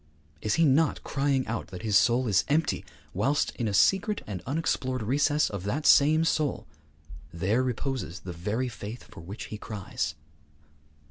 Is he not crying out that his soul is empty, whilst, in a secret and unexplored recess of that same soul, there reposes the very faith for which he cries?